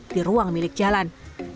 di ruang milik jalan